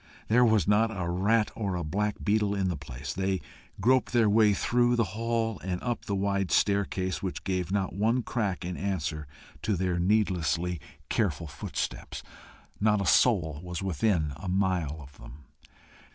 There was not a rat or a black beetle in the place. They groped their way through the hall, and up the wide staircase, which gave not one crack in answer to their needlessly careful footsteps: not a soul was within a mile of them.